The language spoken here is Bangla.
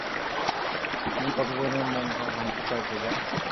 তুমি কতজনের মন ভাঙতে চাও, পুজা?